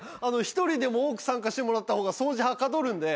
一人でも多く参加してもらった方が掃除はかどるんで。